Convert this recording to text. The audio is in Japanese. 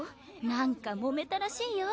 なんかもめたらしいよ。